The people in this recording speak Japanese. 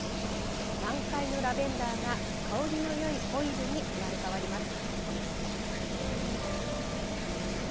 満開のラベンダーが香りのよいオイルに生まれ変わります。